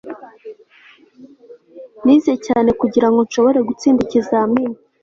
Nize cyane kugirango nshobore gutsinda ikizamini